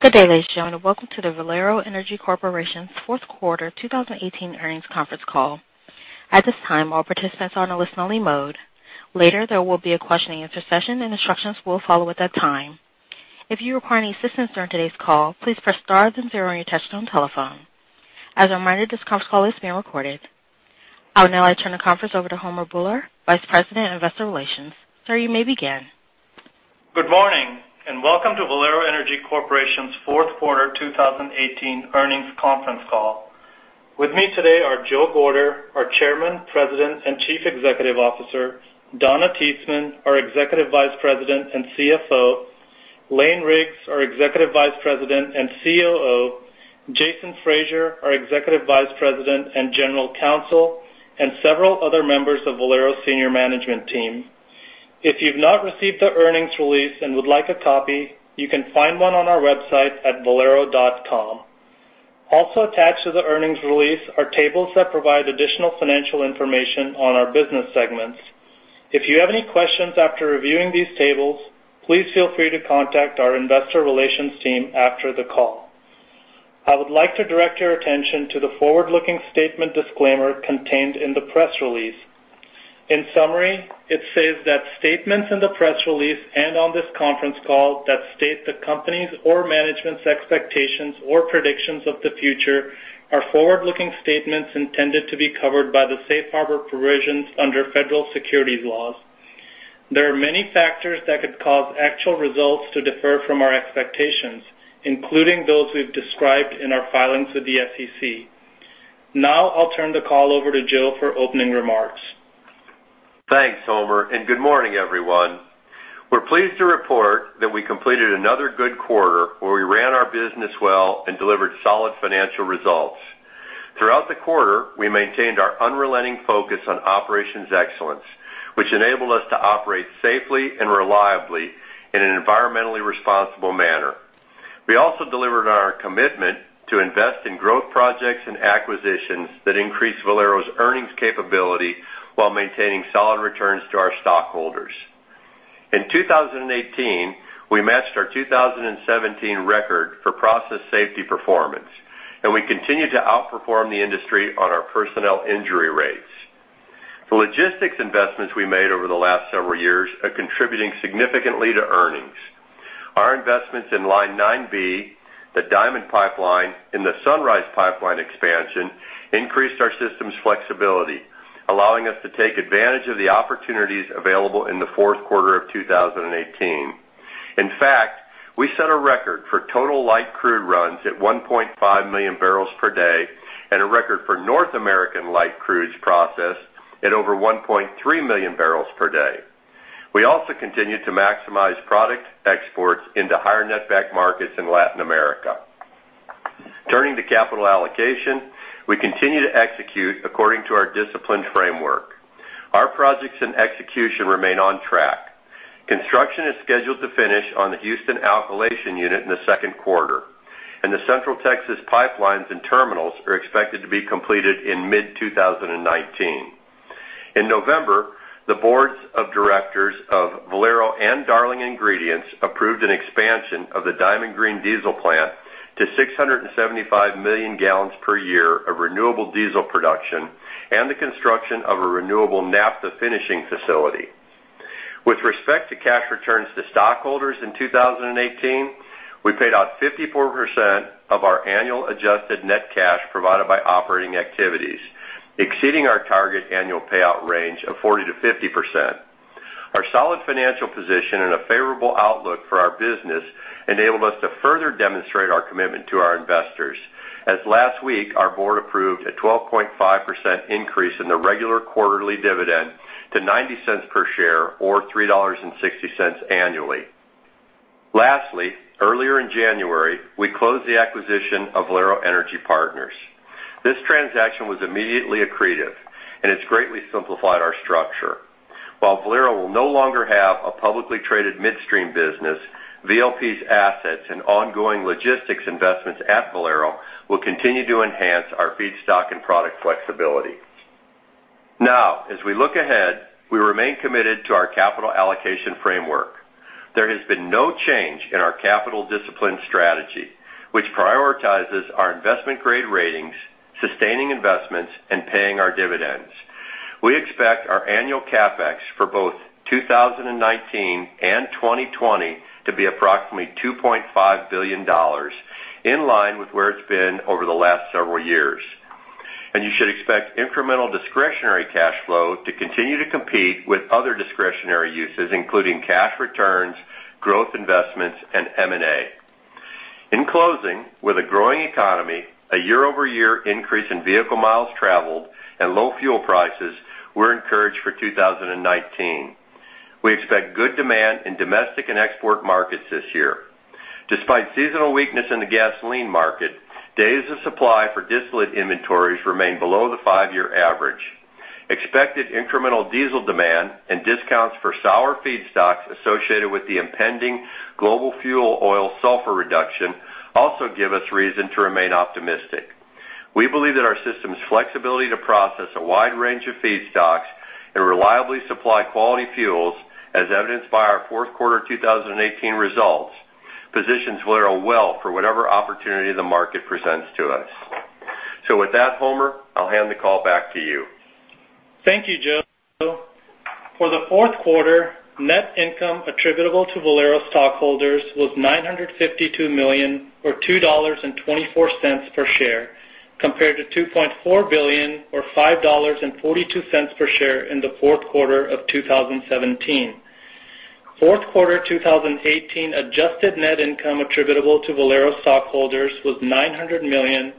Good day, ladies and gentlemen. Welcome to the Valero Energy Corporation's fourth quarter 2018 earnings conference call. At this time, all participants are in a listen-only mode. Later, there will be a questioning and answer session, and instructions will follow at that time. If you require any assistance during today's call, please press star, then zero on your touch-tone telephone. As a reminder, this conference call is being recorded. I would now like to turn the conference over to Homer Bhullar, Vice President of Investor Relations. Sir, you may begin. Good morning, and welcome to Valero Energy Corporation's fourth quarter 2018 earnings conference call. With me today are Joe Gorder, our Chairman, President, and Chief Executive Officer; Donna Titzman, our Executive Vice President and CFO; Lane Riggs, our Executive Vice President and COO; Jason Fraser, our Executive Vice President and General Counsel; and several other members of Valero's senior management team. If you've not received the earnings release and would like a copy, you can find one on our website at valero.com. Also attached to the earnings release are tables that provide additional financial information on our business segments. If you have any questions after reviewing these tables, please feel free to contact our investor relations team after the call. I would like to direct your attention to the forward-looking statement disclaimer contained in the press release. In summary, it says that statements in the press release and on this conference call that state the company's or management's expectations or predictions of the future are forward-looking statements intended to be covered by the safe harbor provisions under federal securities laws. There are many factors that could cause actual results to differ from our expectations, including those we've described in our filings with the SEC. Now, I'll turn the call over to Joe for opening remarks. Thanks, Homer, and good morning, everyone. We're pleased to report that we completed another good quarter where we ran our business well and delivered solid financial results. Throughout the quarter, we maintained our unrelenting focus on operations excellence, which enabled us to operate safely and reliably in an environmentally responsible manner. We also delivered on our commitment to invest in growth projects and acquisitions that increase Valero's earnings capability while maintaining solid returns to our stockholders. In 2018, we matched our 2017 record for process safety performance, and we continue to outperform the industry on our personnel injury rates. The logistics investments we made over the last several years are contributing significantly to earnings. Our investments in Line 9B, the Diamond Pipeline, and the Sunrise Pipeline expansion increased our system's flexibility, allowing us to take advantage of the opportunities available in the fourth quarter of 2018. In fact, we set a record for total light crude runs at 1.5 million barrels per day and a record for North American light crudes processed at over 1.3 million barrels per day. We also continued to maximize product exports into higher netback markets in Latin America. Turning to capital allocation, we continue to execute according to our disciplined framework. Our projects and execution remain on track. Construction is scheduled to finish on the Houston alkylation unit in the second quarter, and the Central Texas pipelines and terminals are expected to be completed in mid-2019. In November, the boards of directors of Valero and Darling Ingredients approved an expansion of the Diamond Green Diesel plant to 675 million gallons per year of renewable diesel production and the construction of a renewable naphtha finishing facility. With respect to cash returns to stockholders in 2018, we paid out 54% of our annual adjusted net cash provided by operating activities, exceeding our target annual payout range of 40%-50%. Our solid financial position and a favorable outlook for our business enabled us to further demonstrate our commitment to our investors, as last week our board approved a 12.5% increase in the regular quarterly dividend to $0.90 per share or $3.60 annually. Lastly, earlier in January, we closed the acquisition of Valero Energy Partners. This transaction was immediately accretive, and it's greatly simplified our structure. While Valero will no longer have a publicly traded midstream business, VLP's assets and ongoing logistics investments at Valero will continue to enhance our feedstock and product flexibility. As we look ahead, we remain committed to our capital allocation framework. There has been no change in our capital discipline strategy, which prioritizes our investment-grade ratings, sustaining investments, and paying our dividends. We expect our annual CapEx for both 2019 and 2020 to be approximately $2.5 billion, in line with where it's been over the last several years. You should expect incremental discretionary cash flow to continue to compete with other discretionary uses, including cash returns, growth investments, and M&A. In closing, with a growing economy, a year-over-year increase in vehicle miles traveled, and low fuel prices, we're encouraged for 2019. We expect good demand in domestic and export markets this year. Despite seasonal weakness in the gasoline market, days of supply for distillate inventories remain below the five-year average. Expected incremental diesel demand and discounts for sour feedstocks associated with the impending global fuel oil sulfur reduction also give us reason to remain optimistic. We believe that our system's flexibility to process a wide range of feedstocks and reliably supply quality fuels, as evidenced by our fourth quarter 2018 results, positions Valero well for whatever opportunity the market presents to us. With that, Homer, I'll hand the call back to you. Thank you, Joe. For the fourth quarter, net income attributable to Valero stockholders was $952 million, or $2.24 per share, compared to $2.4 billion, or $5.42 per share, in the fourth quarter of 2017. Fourth quarter 2018 adjusted net income attributable to Valero stockholders was $900 million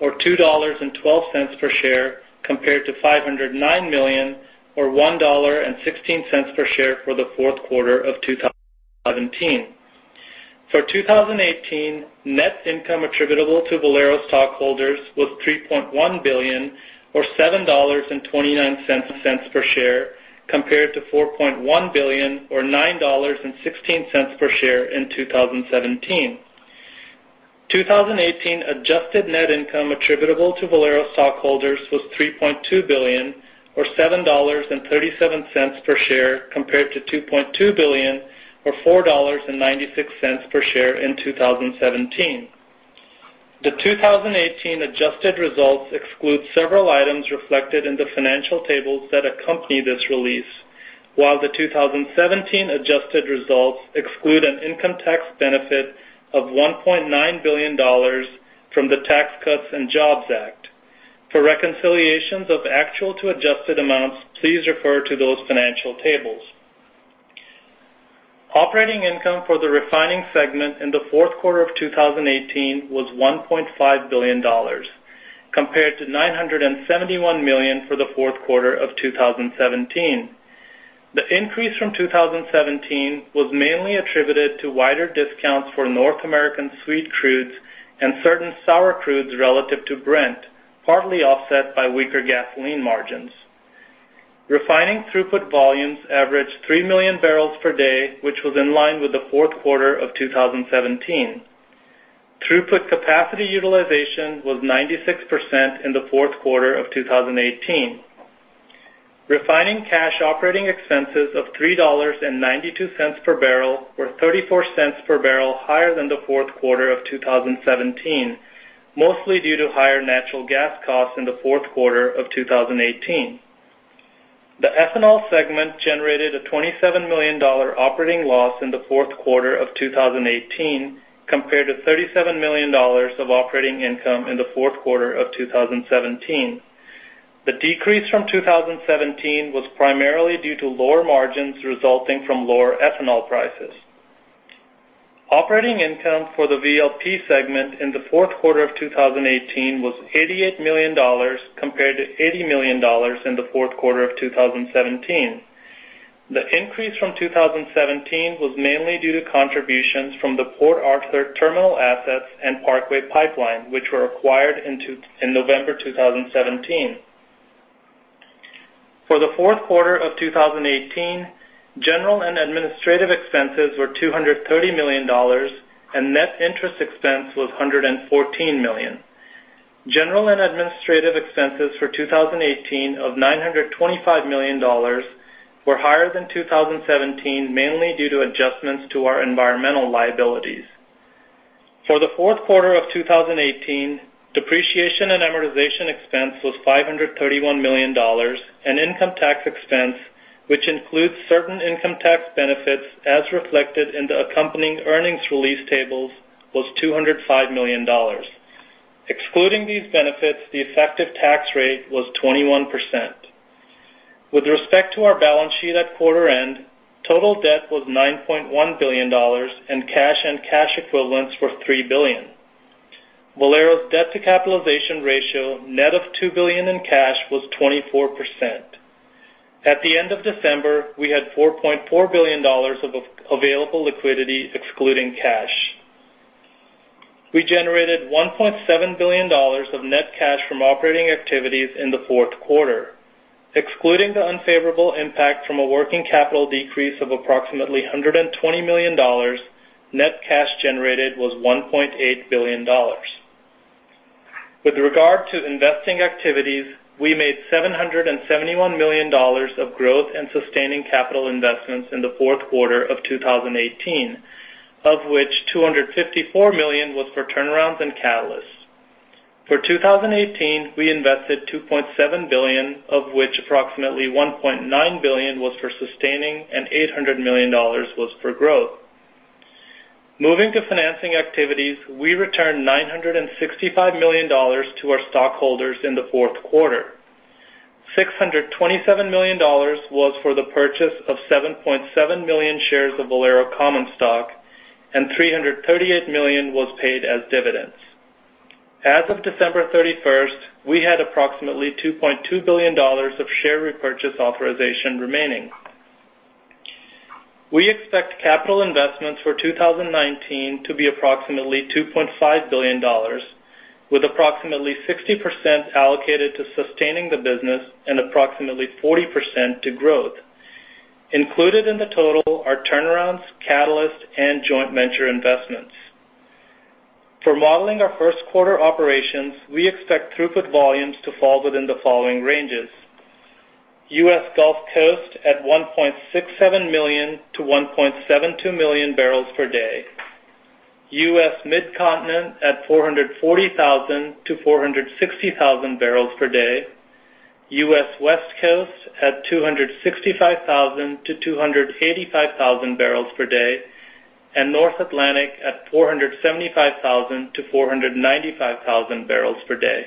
or $2.12 per share, compared to $509 million or $1.16 per share for the fourth quarter of 2017. For 2018, net income attributable to Valero stockholders was $3.1 billion or $7.29 per share, compared to $4.1 billion or $9.16 per share in 2017. 2018 adjusted net income attributable to Valero stockholders was $3.2 billion, or $7.37 per share, compared to $2.2 billion, or $4.96 per share, in 2017. The 2018 adjusted results exclude several items reflected in the financial tables that accompany this release. While the 2017 adjusted results exclude an income tax benefit of $1.9 billion from the Tax Cuts and Jobs Act. For reconciliations of actual to adjusted amounts, please refer to those financial tables. Operating income for the refining segment in the fourth quarter of 2018 was $1.5 billion compared to $971 million for the fourth quarter of 2017. The increase from 2017 was mainly attributed to wider discounts for North American sweet crudes and certain sour crudes relative to Brent, partly offset by weaker gasoline margins. Refining throughput volumes averaged 3 million barrels per day, which was in line with the fourth quarter of 2017. Throughput capacity utilization was 96% in the fourth quarter of 2018. Refining cash operating expenses of $3.92 per barrel were $0.34 per barrel higher than the fourth quarter of 2017, mostly due to higher natural gas costs in the fourth quarter of 2018. The ethanol segment generated a $27 million operating loss in the fourth quarter of 2018 compared to $37 million of operating income in the fourth quarter of 2017. The decrease from 2017 was primarily due to lower margins resulting from lower ethanol prices. Operating income for the VLP segment in the fourth quarter of 2018 was $88 million compared to $80 million in the fourth quarter of 2017. The increase from 2017 was mainly due to contributions from the Port Arthur terminal assets and Parkway Pipeline, which were acquired in November 2017. For the fourth quarter of 2018, general and administrative expenses were $230 million, and net interest expense was $114 million. General and administrative expenses for 2018 of $925 million were higher than 2017, mainly due to adjustments to our environmental liabilities. For the fourth quarter of 2018, depreciation and amortization expense was $531 million, and income tax expense, which includes certain income tax benefits as reflected in the accompanying earnings release tables, was $205 million. Excluding these benefits, the effective tax rate was 21%. With respect to our balance sheet at quarter end, total debt was $9.1 billion and cash and cash equivalents were $3 billion. Valero's debt-to-capitalization ratio net of $2 billion in cash was 24%. At the end of December, we had $4.4 billion of available liquidity excluding cash. We generated $1.7 billion of net cash from operating activities in the fourth quarter. Excluding the unfavorable impact from a working capital decrease of approximately $120 million, net cash generated was $1.8 billion. With regard to investing activities, we made $771 million of growth and sustaining capital investments in the fourth quarter of 2018. Of which $254 million was for turnarounds and catalysts. For 2018, we invested $2.7 billion, of which approximately $1.9 billion was for sustaining and $800 million was for growth. Moving to financing activities, we returned $965 million to our stockholders in the fourth quarter. $627 million was for the purchase of 7.7 million shares of Valero common stock, and $338 million was paid as dividends. As of December 31st, we had approximately $2.2 billion of share repurchase authorization remaining. We expect capital investments for 2019 to be approximately $2.5 billion, with approximately 60% allocated to sustaining the business and approximately 40% to growth. Included in the total are turnarounds, catalysts, and joint venture investments. For modeling our first quarter operations, we expect throughput volumes to fall within the following ranges: U.S. Gulf Coast at 1.67 million-1.72 million barrels per day, U.S. Mid-Continent at 440,000-460,000 barrels per day, U.S. West Coast at 265,000-285,000 barrels per day, and North Atlantic at 475,000-495,000 barrels per day.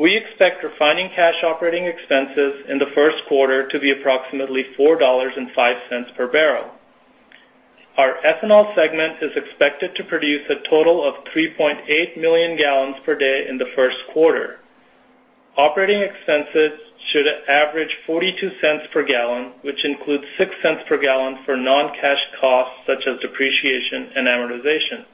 We expect refining cash operating expenses in the first quarter to be approximately $4.05 per barrel. Our ethanol segment is expected to produce a total of 3.8 million gallons per day in the first quarter. Operating expenses should average $0.42 per gallon, which includes $0.06 per gallon for non-cash costs such as depreciation and amortization.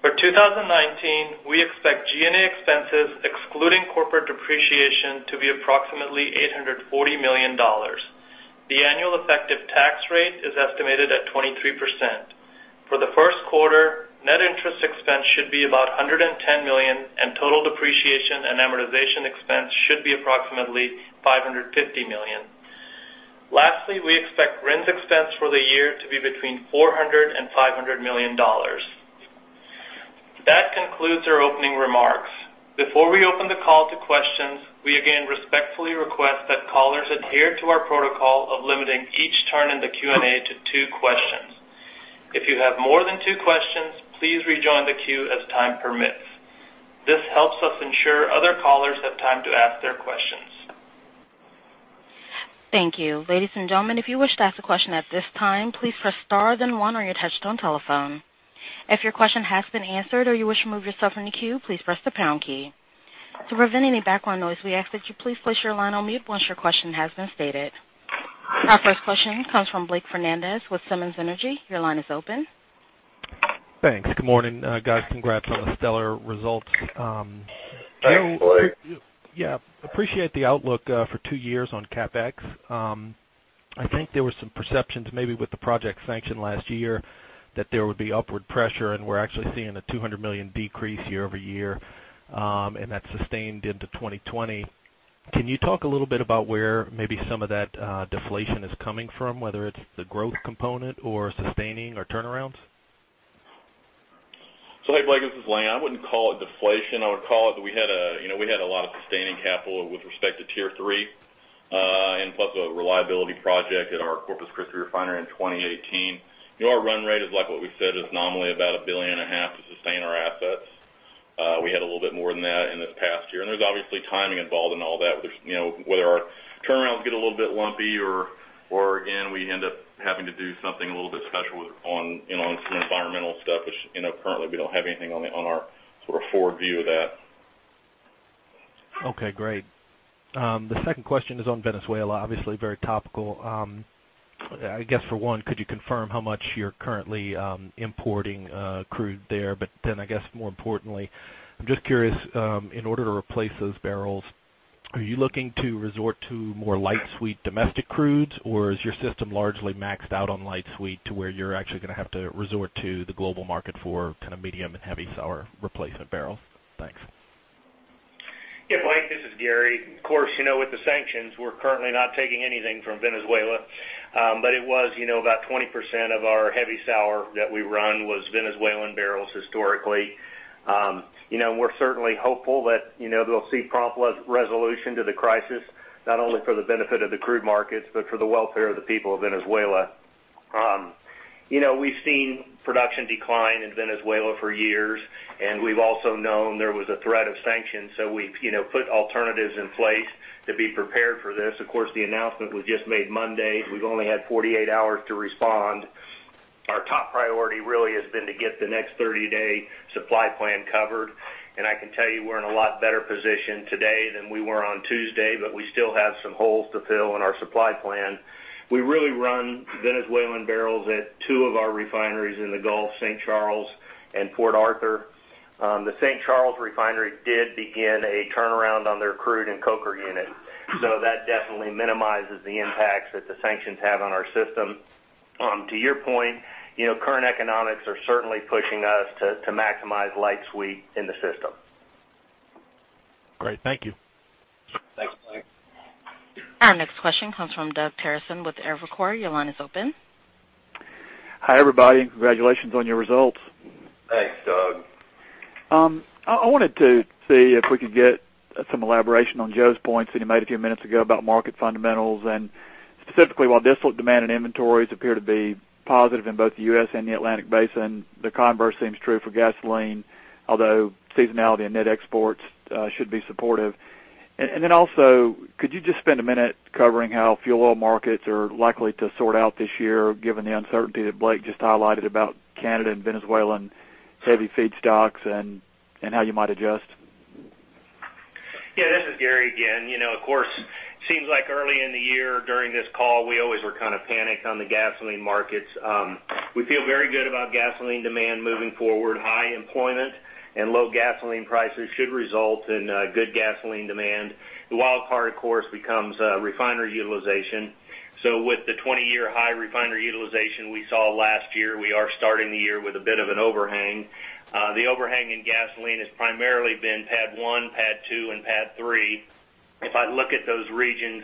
For 2019, we expect G&A expenses excluding corporate depreciation to be approximately $840 million. The annual effective tax rate is estimated at 23%. For the first quarter, net interest expense should be about $110 million, and total depreciation and amortization expense should be approximately $550 million. Lastly, we expect RINs expenses for the year to be between $400 million and $500 million. That concludes our opening remarks. Before we open the call to questions, we again respectfully request that callers adhere to our protocol of limiting each turn in the Q&A to two questions. If you have more than two questions, please rejoin the queue as time permits. This helps us ensure other callers have time to ask their questions. Thank you. Ladies and gentlemen, if you wish to ask a question at this time, please press star, then one, on your touch-tone telephone. If your question has been answered or you wish to remove yourself from the queue, please press the pound key. To prevent any background noise, we ask that you please place your line on mute once your question has been stated. Our first question comes from Blake Fernandez with Simmons Energy. Your line is open. Thanks. Good morning, guys. Congrats on the stellar results. Thanks, Blake. Yeah. Appreciate the outlook for two years on CapEx. I think there were some perceptions maybe with the project sanction last year that there would be upward pressure, and we're actually seeing a $200 million decrease year-over-year, and that's sustained into 2020. Can you talk a little bit about where maybe some of that deflation is coming from, whether it's the growth component or sustainability or turnarounds? Hey, Blake, this is Lane. I wouldn't call it deflation. I would call it that we had a lot of sustaining capital with respect to Tier 3, plus a reliability project at our Corpus Christi refinery in 2018. Our run rate is like what we said, nominally about a billion and a half to sustain our assets. We had a little bit more than that in this past year; there's obviously timing involved in all that, whether our turnarounds get a little bit lumpy or, again, we end up having to do something a little bit special on some environmental stuff, which currently we don't have anything on our forward view of. Okay, great. The second question is on Venezuela, obviously very topical. I guess for one, could you confirm how much you're currently importing crude there? I guess more importantly, I'm just curious: in order to replace those barrels, are you looking to resort to more light sweet domestic crudes, or is your system largely maxed out on light sweet to where you're actually going to have to resort to the global market for medium and heavy sour replacement barrels? Thanks. Blake, this is Gary. Of course, with the sanctions, we're currently not taking anything from Venezuela. It was about 20% of our heavy sour that we run was Venezuelan barrels historically. We're certainly hopeful that they'll see prompt resolution to the crisis, not only for the benefit of the crude markets but also for the welfare of the people of Venezuela. We've seen production decline in Venezuela for years; we've also known there was a threat of sanctions, and we've put alternatives in place to be prepared for this. Of course, the announcement was just made Monday. We've only had 48 hours to respond. Our top priority really has been to get the next 30-day supply plan covered. I can tell you we're in a lot better position today than we were on Tuesday; we still have some holes to fill in our supply plan. We really run Venezuelan barrels at two of our refineries in the Gulf, St. Charles and Port Arthur. The St. Charles refinery did begin a turnaround on their crude and coker units. That definitely minimizes the impacts that the sanctions have on our system. To your point, current economics are certainly pushing us to maximize light sweet in the system. Great. Thank you. Thanks, Blake. Our next question comes from Doug Terreson with Evercore. Your line is open. Hi, everybody. Congratulations on your results. Thanks, Doug. I wanted to see if we could get some elaboration on Joe's points that he made a few minutes ago about market fundamentals. Specifically, while diesel demand and inventories appear to be positive in both the U.S. and the Atlantic Basin, the converse seems true for gasoline, although seasonality and net exports should be supportive. Also, could you just spend a minute covering how fuel oil markets are likely to sort out this year given the uncertainty that Blake just highlighted about Canada and Venezuelan heavy feedstocks and how you might adjust? Yeah, this is Gary again. Of course, seems like early in the year during this call, we always were kind of panicked on the gasoline markets. We feel very good about gasoline demand moving forward. High employment and low gasoline prices should result in good gasoline demand. The wild card, of course, becomes refinery utilization. With the 20-year high refinery utilization we saw last year, we are starting the year with a bit of an overhang. The overhang in gasoline has primarily been PADD 1, PADD 2, and PADD 3. If I look at those regions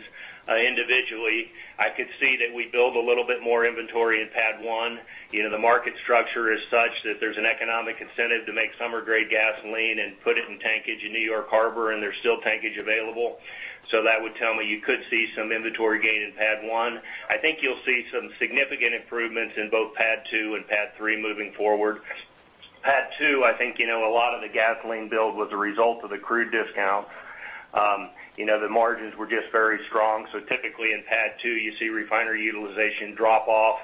individually, I could see that we build a little bit more inventory in PADD 1. The market structure is such that there's an economic incentive to make summer-grade gasoline and put it in tankage in New York Harbor. There's still tankage available. That would tell me you could see some inventory gain in PADD 1. I think you'll see some significant improvements in both PADD 2 and PADD 3 moving forward. PADD 2, I think, had a lot of the gasoline build as a result of the crude discount. The margins were just very strong. Typically in PADD 2, you see refinery utilization drop off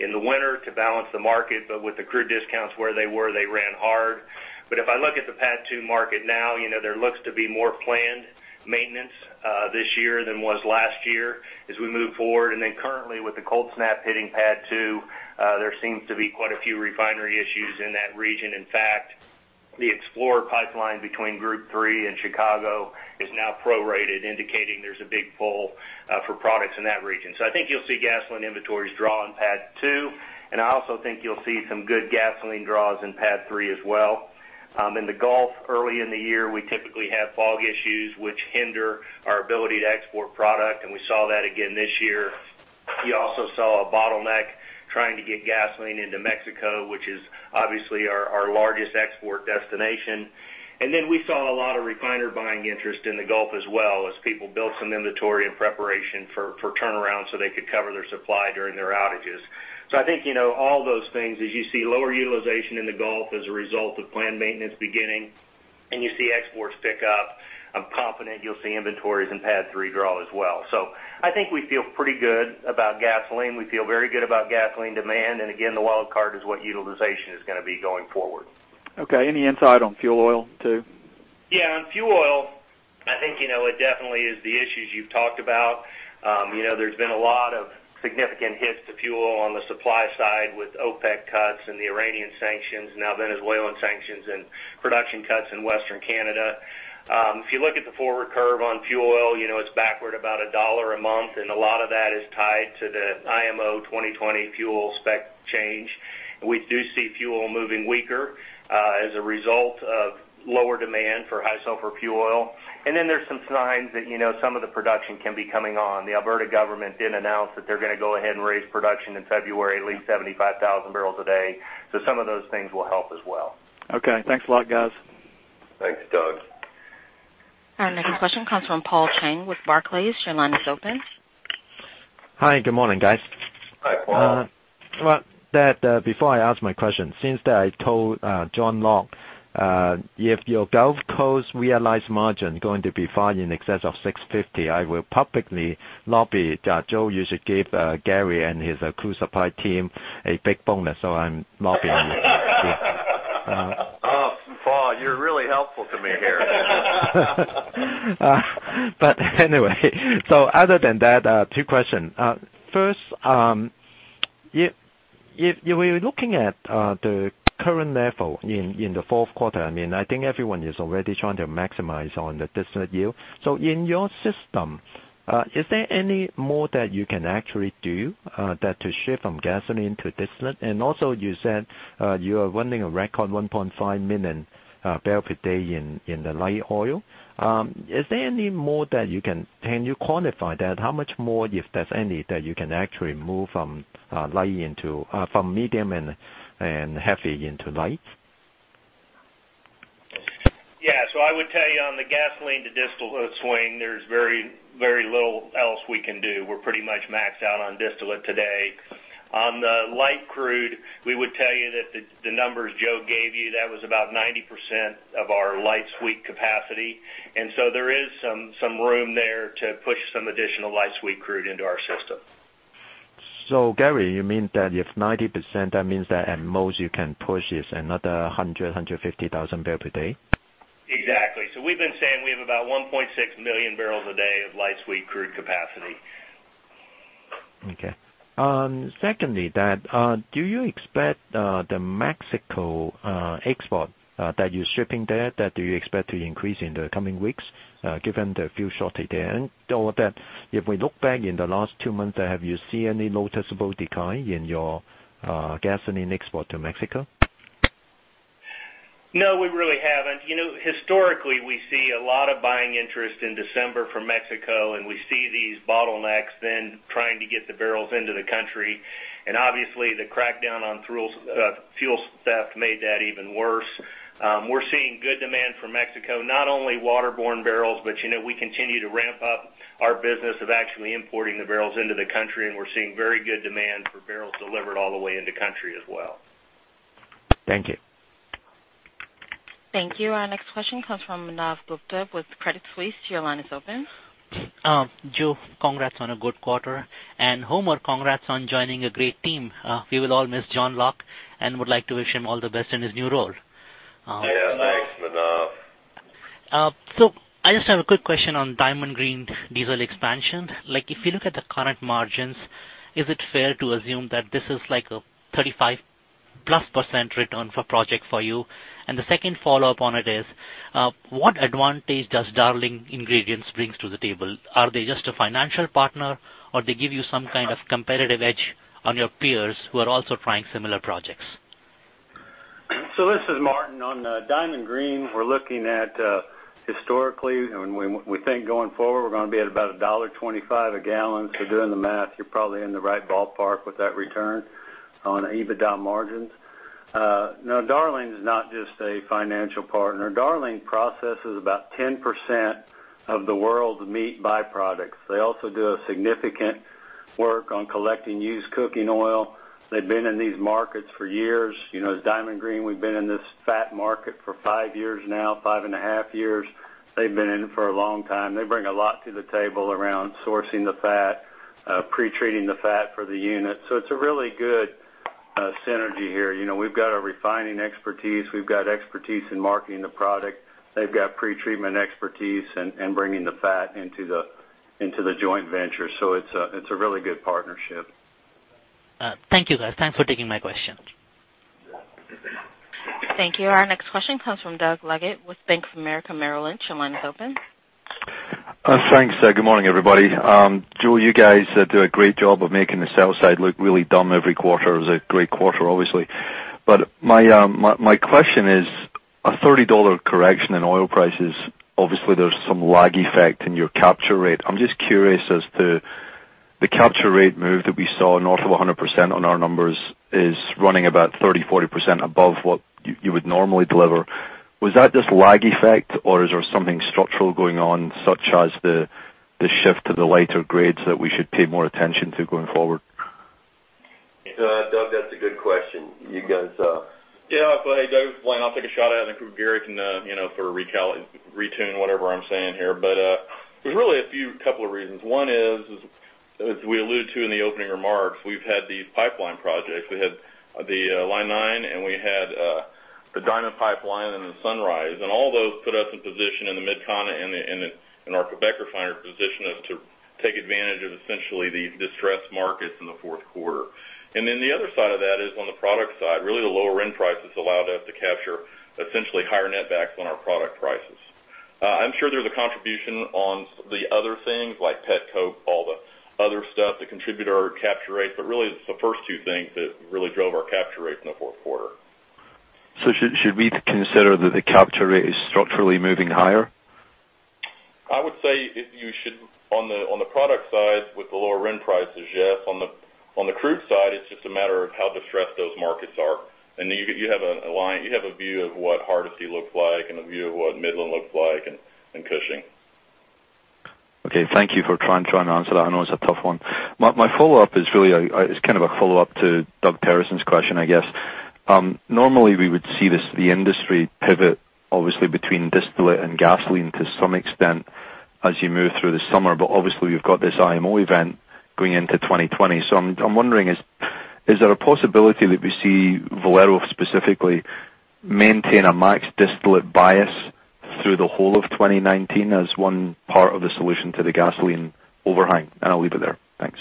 in the winter to balance the market. With the crude discounts where they were, they ran hard. If I look at the PADD 2 market now, there looks to be more planned maintenance this year than was last year as we move forward. Currently, with the cold snap hitting PADD 2, there seems to be quite a few refinery issues in that region. In fact, the Explorer Pipeline between Group Three and Chicago is now prorated, indicating there's a big pull for products in that region. I think you'll see gasoline inventories draw on PADD 2, and I also think you'll see some good gasoline draws in PADD 3 as well. In the Gulf, early in the year, we typically have fog issues that hinder our ability to export product, and we saw that again this year. We also saw a bottleneck trying to get gasoline into Mexico, which is obviously our largest export destination. Then we saw a lot of refiner buying interest in the Gulf as well as people built some inventory in preparation for turnaround so they could cover their supply during their outages. I think, with all those things, as you see lower utilization in the Gulf as a result of planned maintenance beginning and you see exports pick up, I'm confident you'll see inventories in PADD 3 draw as well. I think we feel pretty good about gasoline. We feel very good about gasoline demand. Again, the wild card is what utilization is going to be going forward. Okay. Any insight on fuel oil too? Yeah. On fuel oil, I think it definitely is the issues you've talked about. There's been a lot of significant hits to fuel oil on the supply side with OPEC cuts and the Iranian sanctions, now Venezuelan sanctions and production cuts in Western Canada. If you look at the forward curve on fuel oil, it's backward about $1 a month, and a lot of that is tied to the IMO 2020 fuel spec change. We do see fuel oil moving weaker as a result of lower demand for high-sulfur fuel oil. Then there are some signs that some of the production can be coming on. The Alberta government did announce that they're going to go ahead and raise production in February to at least 75,000 barrels a day. Some of those things will help as well. Okay. Thanks a lot, guys. Thanks, Doug. Our next question comes from Paul Cheng with Barclays. Your line is open. Hi. Good morning, guys. Hi, Paul. Before I ask my question, since I told John Locke, if your Gulf Coast realized margin is going to be far in excess of 650, I will publicly lobby Joe. You should give Gary and his crew supply team a big bonus. I'm lobbying. Paul, you're really helpful to me here. Anyway, other than that, two questions. First, if you were looking at the current level in the fourth quarter, I think everyone is already trying to maximize the distillate yield. In your system, is there any more that you can actually do to shift from gasoline to distillate? Also, you said you are running a record 1.5 million barrels per day in light oil. Can you quantify that? How much more, if there's any, that you can actually move from medium and heavy into light? I would tell you on the gasoline to distillate swing, there's very little else we can do. We're pretty much maxed out on distillate today. On the light crude, we would tell you that the numbers Joe gave you were about 90% of our light sweet capacity. There is some room there to push some additional light sweet crude into our system. Gary, you mean that if 90%, that means that at most you can push is another 100,000-150,000 barrel per day? Exactly. We've been saying we have about 1.6 million barrels a day of light sweet crude capacity. Okay. Secondly, do you expect the Mexico export that you're shipping there to increase in the coming weeks given the fuel shortage there? All of that, if we look back in the last two months, have you seen any noticeable decline in your gasoline exports to Mexico? No, we really haven't. Historically, we see a lot of buying interest in December from Mexico, and we see these bottlenecks then trying to get the barrels into the country. Obviously, the crackdown on fuel theft made that even worse. We're seeing good demand from Mexico, not only waterborne barrels, but we continue to ramp up our business of actually importing the barrels into the country, and we're seeing very good demand for barrels delivered all the way into the country as well. Thank you. Thank you. Our next question comes from Manav Gupta with Credit Suisse. Your line is open. Joe, congrats on a good quarter. Homer, congrats on joining a great team. We will all miss John Locke and would like to wish him all the best in his new role. Yeah. Thanks, Manav. I just have a quick question on Diamond Green Diesel's expansion. If you look at the current margins, is it fair to assume that this is like a 35%+ return for the project for you? The second follow-up on it is, what advantage does Darling Ingredients bring to the table? Are they just a financial partner, or do they give you some kind of competitive edge over your peers who are also trying similar projects? This is Martin. On Diamond Green Diesel, we're looking at historically; when we think going forward, we're going to be at about $1.25 a gallon. Doing the math, you're probably in the right ballpark with that return on EBITDA margins. Now Darling Ingredients is not just a financial partner. Darling Ingredients processes about 10% of the world's meat byproducts. They also do significant work on collecting used cooking oil. They've been in these markets for years. As Diamond Green Diesel, we've been in this fat market for five years now, five and a half years. They've been in it for a long time. They bring a lot to the table around sourcing the fat and pre-treating the fat for the unit. It's a really good synergy here. We've got our refining expertise. We've got expertise in marketing the product. They've got pre-treatment expertise and bringing the fat into the joint venture. It's a really good partnership. Thank you, guys. Thanks for taking my question. Thank you. Our next question comes from Doug Leggate with Bank of America Merrill Lynch. Your line is open. Thanks. Good morning, everybody. Joe, you guys do a great job of making the sell side look really dumb every quarter. It was a great quarter, obviously. My question is, a $30 correction in oil prices, obviously, there's some lag effect in your capture rate. I'm just curious as to the capture rate move that we saw—north of 100% on our numbers is running about 30%-40% above what you would normally deliver. Was that just lag effect or is there something structural going on, such as the shift to the lighter grades, that we should pay more attention to going forward? Doug, that's a good question. You guys Yeah. Hey, Doug, it's Lane. I'll take a shot at it and I'm sure Gary can sort of retune whatever I'm saying here. There are really a couple of reasons. One is, as we alluded to in the opening remarks, we've had these pipeline projects. We had the Line 9 and we had the Diamond Pipeline and the Sunrise, and all those put us in position in the MidCon and our Quebec refiner positioned us to take advantage of essentially the distressed markets in the fourth quarter. The other side of that is on the product side; really, the lower RIN prices allowed us to capture essentially higher netbacks on our product prices. I'm sure there's a contribution from the other things, like petcoke and all the other stuff that contributes to our capture rate. Really, it's the first two things that really drove our capture rate in the fourth quarter. Should we consider that the capture rate is structurally moving higher? I would say on the product side with the lower RIN prices, yes. On the crude side, it's just a matter of how distressed those markets are. You have a view of what Hardisty looks like and a view of what Midland looks like and Cushing. Okay. Thank you for trying to answer that. I know it's a tough one. My follow-up is really a follow-up to Doug Terreson's question, I guess. Normally, we would see the industry pivot, obviously, between distillate and gasoline to some extent as you move through the summer. But obviously, you've got this IMO event going into 2020. I'm wondering, is there a possibility that we see Valero specifically maintain a max distillate bias through the whole of 2019 as one part of the solution to the gasoline overhang? I'll leave it there. Thanks.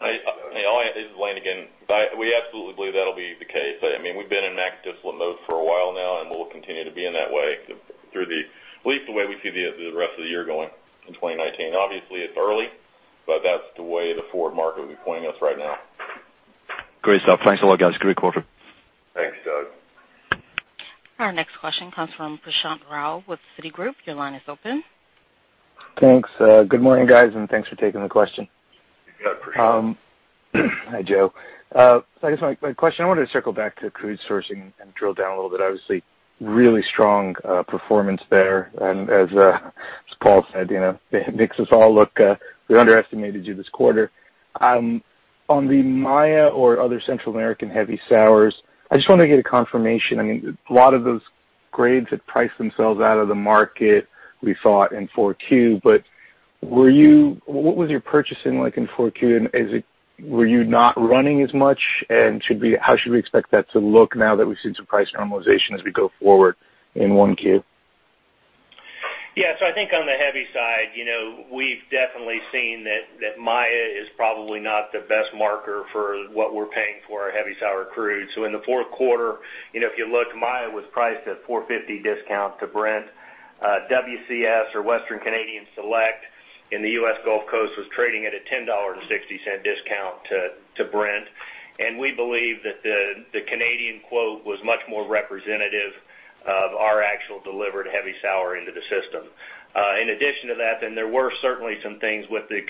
This is Lane again. We absolutely believe that'll be the case. We've been in max distillate mode for a while now. We'll continue to be in that way through at least the way we see the rest of the year going in 2019. Obviously, it's early. That's the way the forward market would be pointing us right now. Great stuff. Thanks a lot, guys. Great quarter. Thanks, Doug. Our next question comes from Prashant Rao with Citigroup. Your line is open. Thanks. Good morning, guys, and thanks for taking the question. Hey, Prashant. Hi, Joe. I guess my question is, I wanted to circle back to crude sourcing and drill down a little bit. Obviously, really strong performance there. As Paul said, it makes us all look; we underestimated you this quarter. On the Maya or other Central American heavy sources, I just want to get a confirmation. A lot of those grades had priced themselves out of the market; we saw it in 4Q, but what was your purchasing like in 4Q? Were you not running as much, and how should we expect that to look now that we've seen some price normalization as we go forward in 1Q? I think on the heavy side, we've definitely seen that Maya is probably not the best marker for what we're paying for our heavy sour crude. In the fourth quarter, if you look, Maya was priced at a $4.50 discount to Brent. WCS or Western Canadian Select in the U.S. Gulf Coast was trading at a $10.60 discount to Brent. We believe that the Canadian quote was much more representative of our actual delivered heavy sour into the system. In addition to that, there were certainly some things with the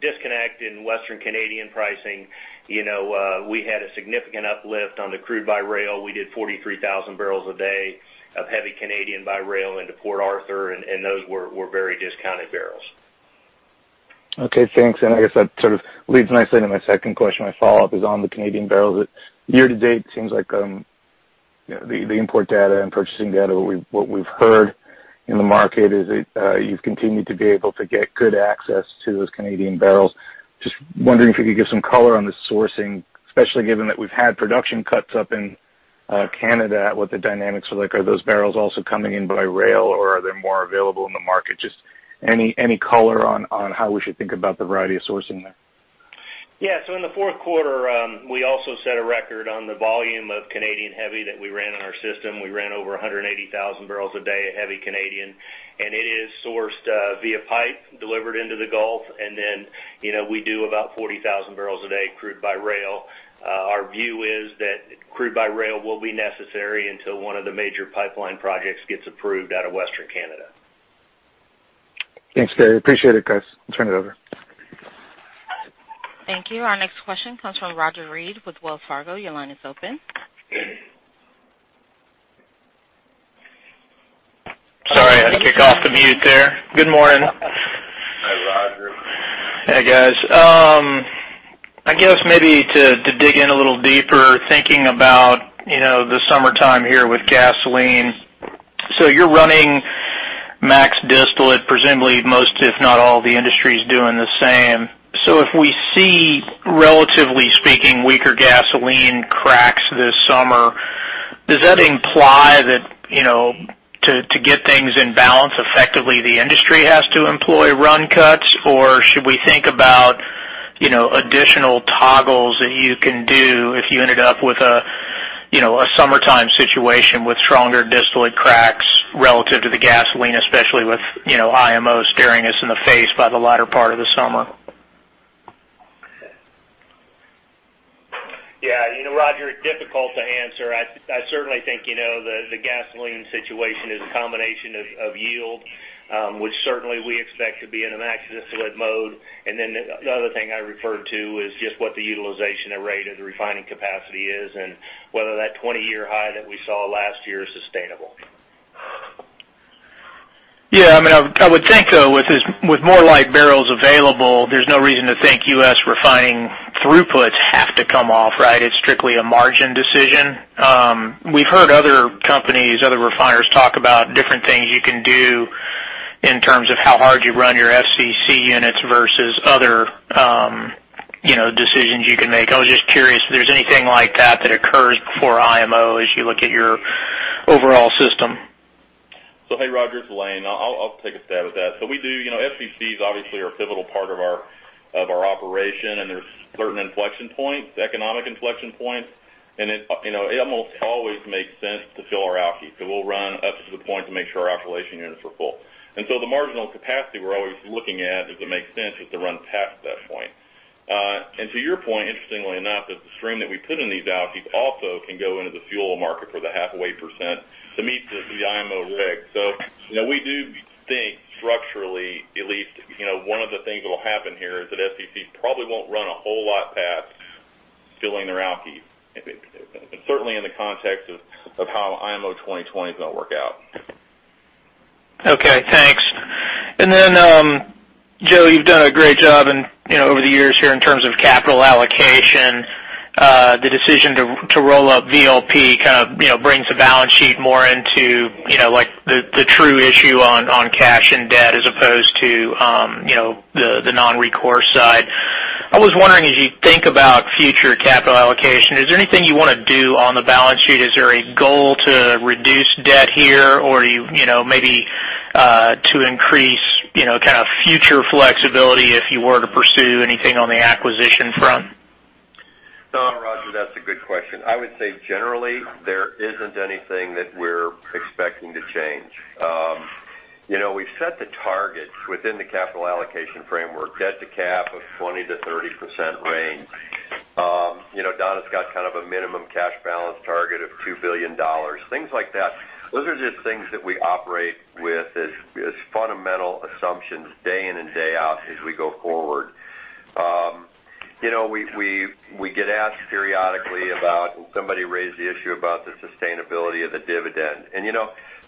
disconnect in Western Canadian pricing. We had a significant uplift on the crude by rail. We did 43,000 barrels a day of heavy Canadian by rail into Port Arthur, and those were very discounted barrels. Okay, thanks. I guess that sort of leads nicely into my second question. My follow-up is on the Canadian barrels. Year-to-date, it seems like the import data and purchasing data—what we've heard in the market is that you've continued to be able to get good access to those Canadian barrels. Just wondering if you could give some color on the sourcing, especially given that we've had production cuts up in Canada and what the dynamics are like. Are those barrels also coming in by rail, or are they more available in the market? Just any color on how we should think about the variety of sourcing there? In the fourth quarter, we also set a record on the volume of Canadian heavy that we ran in our system. We ran over 180,000 barrels a day of heavy Canadian, and it is sourced via pipe and delivered into the Gulf. We do about 40,000 barrels a day of crude by rail. Our view is that crude by rail will be necessary until one of the major pipeline projects gets approved out of Western Canada. Thanks, Gary. Appreciate it, guys. Turn it over. Thank you. Our next question comes from Roger Read with Wells Fargo. Your line is open. Sorry, I had to kick off the mute there. Good morning. Hi, Roger. Hey, guys. I guess maybe to dig in a little deeper, thinking about the summertime here with gasoline. You're running max distillate; presumably most, if not all, of the industry's doing the same. If we see, relatively speaking, weaker gasoline cracks this summer, does that imply that, to get things in balance effectively, the industry has to employ run cuts? Or should we think about additional toggles that you can use if you end up with a summertime situation with stronger distillate cracks relative to the gasoline, especially with IMO staring us in the face by the latter part of the summer? Yeah. Roger, difficult to answer. I certainly think the gasoline situation is a combination of yield, which certainly we expect to be in a max distillate mode. The other thing I referred to is just what the utilization rate of the refining capacity is and whether that 20-year high that we saw last year is sustainable. Yeah. I would think, though, with more light barrels available, there's no reason to think U.S. refining throughputs have to come off, right? It's strictly a margin decision. We've heard other companies, other refiners, talk about different things you can do in terms of how hard you run your FCC units versus other decisions you can make. I was just curious if there's anything like that that occurs before IMO as you look at your overall system. Hey, Roger, it's Lane. I'll take a stab at that. FCCs obviously are a pivotal part of our operation, and there are certain economic inflection points, and it almost always makes sense to fill our alky. We'll run up to the point to make sure our alkylation units are full. The marginal capacity we're always looking at, if it makes sense, is to run past that point. To your point, interestingly enough, the stream that we put in these alkies can also go into the fuel market for the half a percent to meet the IMO reg. We do think structurally, at least, one of the things that'll happen here is that the FCC probably won't run a whole lot past filling their alky. Certainly in the context of how IMO 2020 is going to work out. Okay, thanks. Joe, you've done a great job over the years here in terms of capital allocation. The decision to roll up VLP kind of brings the balance sheet more into the true issue of cash and debt as opposed to the non-recourse side. I was wondering, as you think about future capital allocation, is there anything you want to do on the balance sheet? Is there a goal to reduce debt here or maybe to increase future flexibility if you were to pursue anything on the acquisition front? No, Roger, that's a good question. I would say generally, there isn't anything that we're expecting to change. We've set the targets within the capital allocation framework, debt to cap of 20%-30% range. Don has got a minimum cash balance target of $2 billion, things like that. Those are just things that we operate with as fundamental assumptions day in and day out as we go forward. We get asked periodically about somebody raised the issue about the sustainability of the dividend.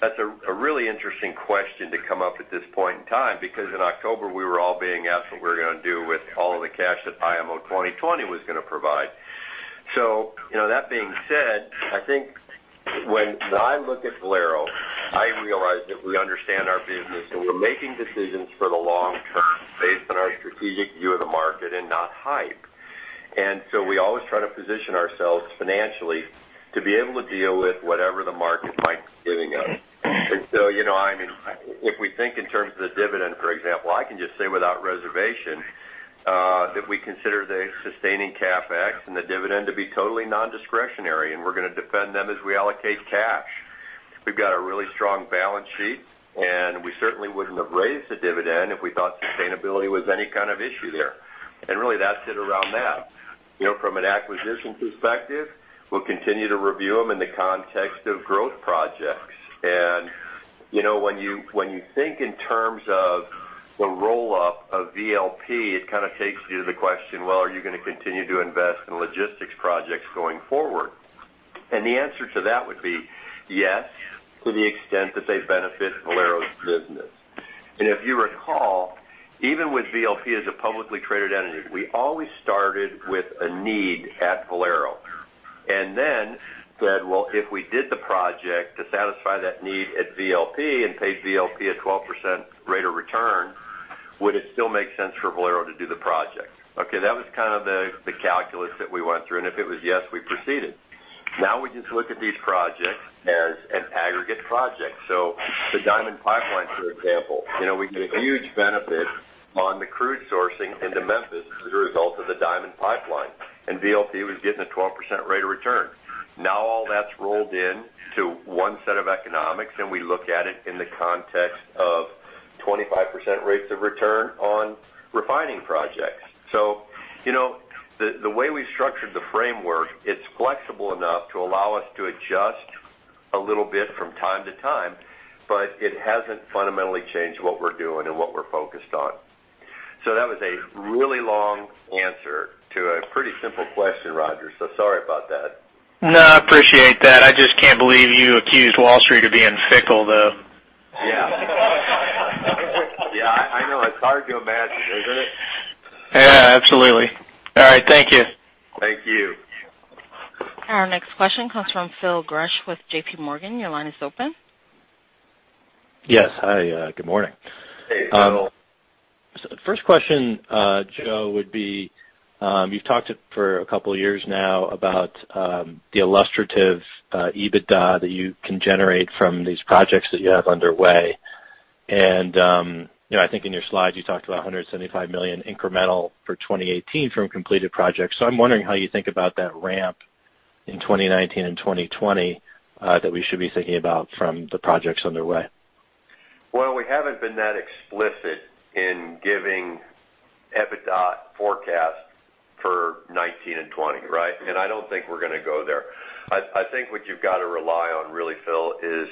That's a really interesting question to come up at this point in time, because in October, we were all being asked what we were going to do with all of the cash that IMO 2020 was going to provide. That being said, I think when I look at Valero, I realize that we understand our business, and we're making decisions for the long term based on our strategic view of the market and not hype. We always try to position ourselves financially to be able to deal with whatever the market might be giving us. If we think in terms of the dividend, for example, I can just say without reservation that we consider the sustaining CapEx and the dividend to be totally non-discretionary, and we're going to defend them as we allocate cash. We've got a really strong balance sheet, and we certainly wouldn't have raised the dividend if we thought sustainability was any kind of issue there. Really, that's it around that. From an acquisition perspective, we'll continue to review them in the context of growth projects. When you think in terms of the roll-up of VLP, it takes you to the question, well, are you going to continue to invest in logistics projects going forward? The answer to that would be yes, to the extent that they benefit Valero's business. If you recall, even with VLP as a publicly traded entity, we always started with a need at Valero. Then said, well, if we did the project to satisfy that need at VLP and paid VLP a 12% rate of return, would it still make sense for Valero to do the project? Okay. That was kind of the calculus that we went through, and if it was yes, we proceeded. Now we just look at these projects as an aggregate project. The Diamond Pipeline, for example. We can get huge benefit from the crude sourcing into Memphis as a result of the Diamond Pipeline, and VLP was getting a 12% rate of return. Now all that's rolled into one set of economics, and we look at it in the context of 25% rates of return on refining projects. The way we structured the framework, it's flexible enough to allow us to adjust a little bit from time to time, but it hasn't fundamentally changed what we're doing and what we're focused on. That was a really long answer to a pretty simple question, Roger. Sorry about that. No, I appreciate that. I just can't believe you accused Wall Street of being fickle, though. Yeah. I know. It's hard to imagine, isn't it? Yeah, absolutely. All right. Thank you. Thank you. Our next question comes from Phil Gresh with JPMorgan. Your line is open. Yes. Hi, good morning. Hey, Phil. The first question, Joe, would be, you've talked for a couple of years now about the illustrative EBITDA that you can generate from these projects that you have underway. I think in your slide, you talked about $175 million incremental for 2018 from completed projects. I'm wondering how you think about that ramp in 2019 and 2020, that we should be thinking about from the projects underway. Well, we haven't been that explicit in giving EBITDA forecasts for 2019 and 2020, right? I don't think we're going to go there. I think what you've got to rely on really, Phil, is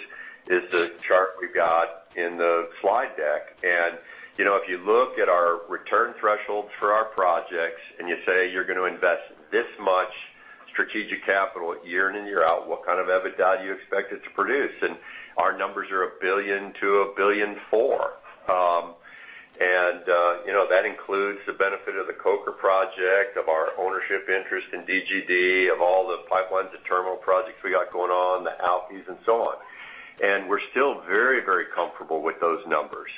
the chart we've got in the slide deck. If you look at our return thresholds for our projects and you say you're going to invest this much strategic capital year in and year out, what kind of EBITDA do you expect it to produce? Our numbers are $1 billion-$1.4 billion. That includes the benefit of the Coker project, of our ownership interest in DGD, of all the pipeline and terminal projects we got going on, the ALPs, and so on. We're still very, very comfortable with those numbers.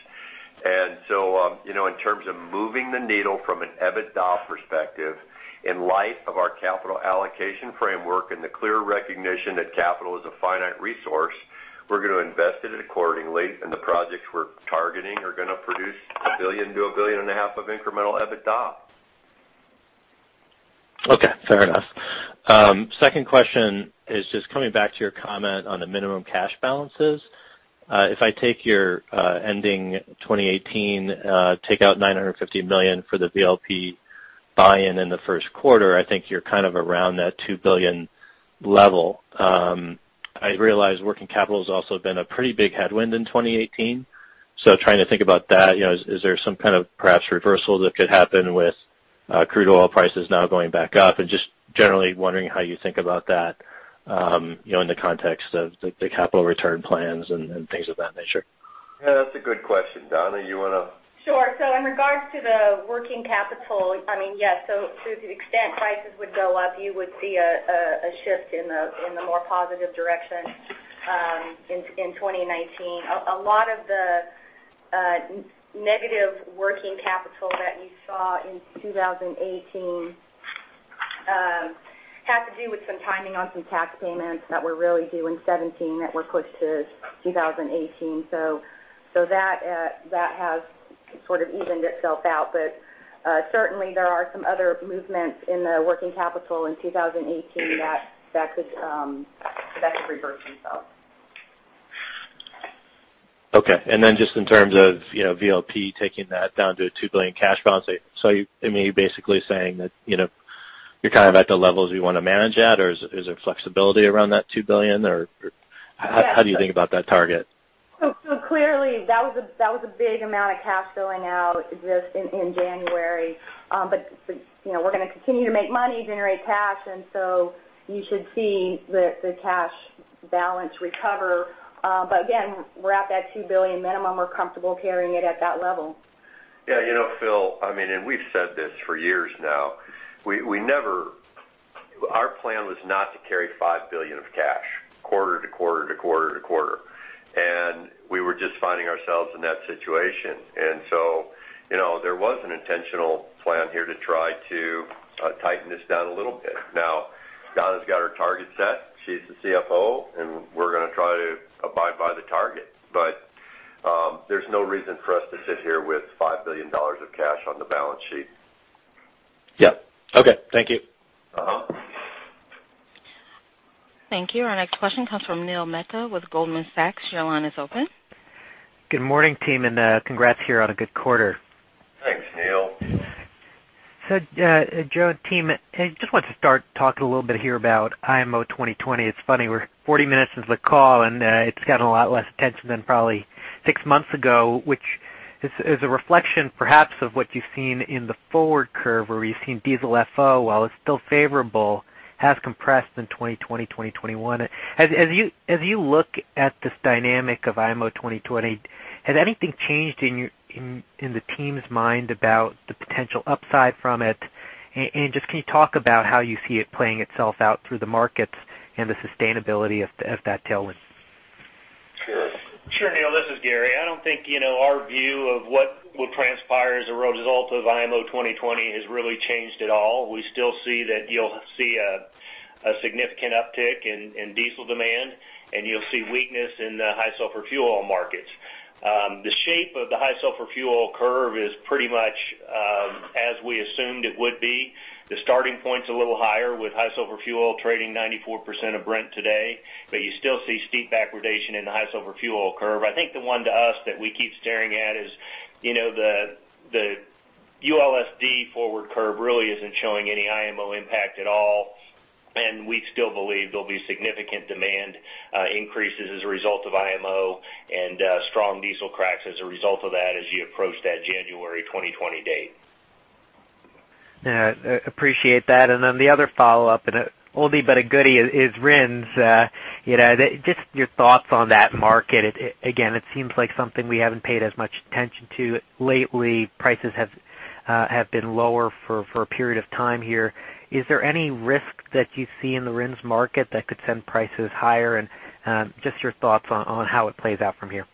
In terms of moving the needle from an EBITDA perspective, in light of our capital allocation framework and the clear recognition that capital is a finite resource, we're going to invest it accordingly, and the projects we're targeting are going to produce $1 billion-$1.5 billion of incremental EBITDA. Okay, fair enough. Second question is just coming back to your comment on the minimum cash balances. If I take your ending 2018, take out $950 million for the VLP buy-in in the first quarter, I think you're kind of around that $2 billion level. I realize working capital has also been a pretty big headwind in 2018. Trying to think about that, is there some kind of perhaps reversal that could happen with crude oil prices now going back up? Just generally wondering how you think about that in the context of the capital return plans and things of that nature. Yeah, that's a good question. Donna, you want to Sure. In regards to the working capital, to the extent prices would go up, you would see a shift in the more positive direction in 2019. A lot of the negative working capital that you saw in 2018 had to do with some timing on some tax payments that were really due in 2017 that were pushed to 2018. That has sort of evened itself out. Certainly, there are some other movements in the working capital in 2018 that could reverse themselves. Okay. Just in terms of VLP taking that down to a $2 billion cash balance, are you basically saying that you're at the levels you want to manage at, or is there flexibility around that $2 billion, or how do you think about that target? Clearly, that was a big amount of cash going out just in January. We're going to continue to make money and generate cash, so you should see the cash balance recover. Again, we're at that $2 billion minimum. We're comfortable carrying it at that level. Phil, we've said this for years now. Our plan was not to carry $5 billion of cash quarter to quarter to quarter, we were just finding ourselves in that situation. There was an intentional plan here to try to tighten this down a little bit. Now, Donna's got her target set. She's the CFO; we're going to try to abide by the target. There's no reason for us to sit here with $5 billion of cash on the balance sheet. Yep. Okay. Thank you. Thank you. Our next question comes from Neil Mehta with Goldman Sachs. Your line is open. Good morning, team. congrats here on a good quarter. Thanks, Neil. Joe, team, I just wanted to start talking a little bit here about IMO 2020. It's funny, we're 40 minutes into the call, and it's gotten a lot less attention than probably six months ago, which is a reflection perhaps of what you've seen in the forward curve, where you've seen diesel FO, while it's still favorable, has compressed in 2020, 2021. As you look at this dynamic of IMO 2020, has anything changed in the team's mind about the potential upside from it? Just can you talk about how you see it playing itself out through the markets and the sustainability of that tailwind? Sure. Sure, Neil, this is Gary. I don't think our view of what will transpire as a result of IMO 2020 has really changed at all. We still see that you'll see a significant uptick in diesel demand; you'll see weakness in the high-sulfur fuel oil markets. The shape of the high sulfur fuel oil curve is pretty much as we assumed it would be. The starting point's a little higher with high sulfur fuel oil trading at 94% of Brent today; you still see steep backwardation in the high sulfur fuel oil curve. I think the one for us that we keep staring at is the ULSD forward curve really isn't showing any IMO impact at all; we still believe there'll be significant demand increases as a result of IMO and strong diesel cracks as a result of that as you approach that January 2020 date. Yeah. Appreciate that. Then the other follow-up, an oldie but a goodie, is RINs. Just your thoughts on that market. Again, it seems like something we haven't paid as much attention to lately. Prices have been lower for a period of time here. Is there any risk that you see in the RINs market that could send prices higher? Just your thoughts on how it plays out from here.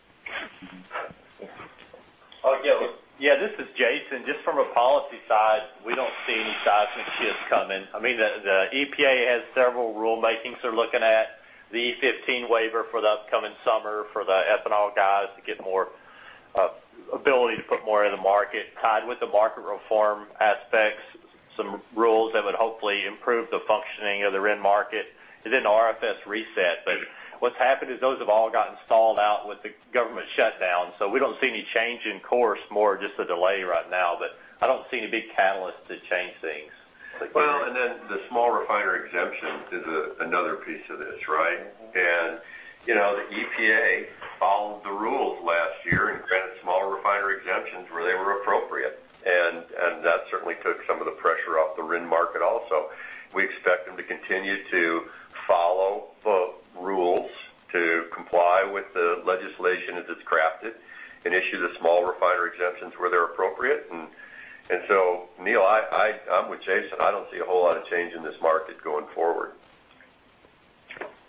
Yeah. This is Jason. Just from a policy side, we don't see any seismic shifts coming. The EPA has several rulemakings they're looking at. The E15 waiver for the upcoming summer for the ethanol guys to get more ability to put more in the market, tied with the market reform aspects, some rules that would hopefully improve the functioning of the RIN market. RFS reset. What's happened is those have all gotten stalled out with the government shutdown; we don't see any change in course, more just a delay right now. I don't see any big catalyst to change things. The small refiner exemption is another piece of this, right? The EPA followed the rules last year and granted small refiner exemptions where they were appropriate, and that certainly took some of the pressure off the RIN market also. We expect them to continue to follow the rules to comply with the legislation as it's crafted and issue the small refiner exemptions where they're appropriate. Neil, I'm with Jason. I don't see a whole lot of change in this market going forward.